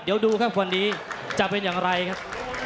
เดี๋ยวดูครับวันนี้จะเป็นอย่างไรครับ